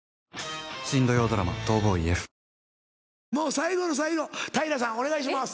最後の最後平さんお願いします。